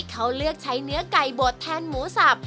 เขาเลือกใช้เนื้อไก่บดแทนหมูสับ